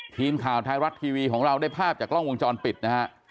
ทีมข่าวไทยรัฐทีวีของเราได้ภาพจากกล้องวงจรปิดนะฮะ